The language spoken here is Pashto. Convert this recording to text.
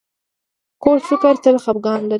کوږ فکر تل خپګان لري